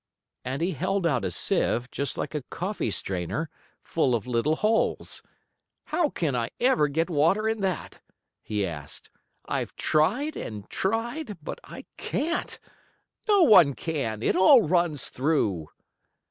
And he held out a sieve, just like a coffee strainer, full of little holes. "How can I ever get water in that?" he asked. "I've tried and tried, but I can't. No one can! It all runs through!"